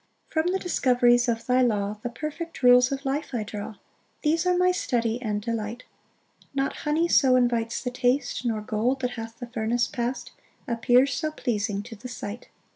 6 From the discoveries of thy law The perfect rules of life I draw, These are my study and delight: Not honey so invites the taste, Nor gold, that hath the furnace past, Appears so pleasing to the sight.